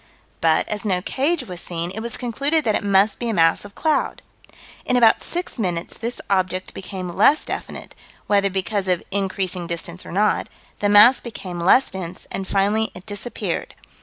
"But, as no cage was seen, it was concluded that it must be a mass of cloud." In about six minutes this object became less definite whether because of increasing distance or not "the mass became less dense, and finally it disappeared."